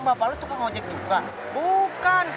benediktator waktu itu liat gue